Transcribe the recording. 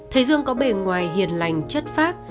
thầy dương có bề ngoài hiền lành chất phác